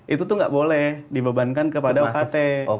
itu tuh nggak boleh dibebankan kepada ukt